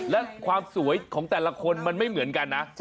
และความสวยของแต่ละคนมันไม่เหมือนกันนะ